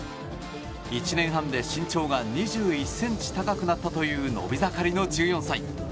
１年半で身長が２１ｃｍ高くなったという伸び盛りの１４歳。